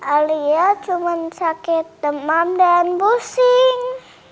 alia cuma sakit demam dan pusing